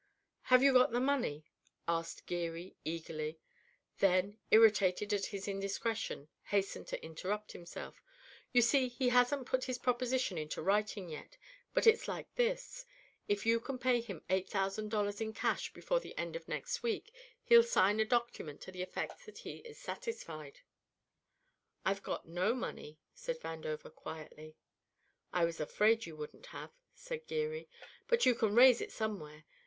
"Have you got the money?" asked Geary eagerly; then, irritated at his indiscretion, hastened to interrupt himself. "You see, he hasn't put his proposition into writing yet, but it's like this: if you can pay him eight thousand dollars in cash before the end of next week he'll sign a document to the effect that he is satisfied." "I've got no money," said Vandover quietly. "I was afraid you wouldn't have," said Geary, "but you can raise it somewhere.